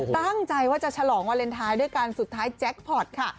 ตั้งใจว่าจะฉลองวาเลนไทยด้วยกันสุดท้ายแจ็คพอร์ตค่ะ